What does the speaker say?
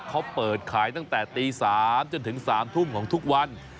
เขาเปิดขายตั้งแต่ตี๓จนถึง๓ทุ่มของทุกวัน